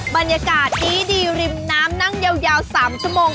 บรรยากาศดีริมน้ำนั่งยาว๓ชั่วโมง